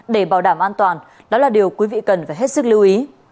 để bảo đảm an toàn đó là điều quý vị cần phải hết sức lưu ý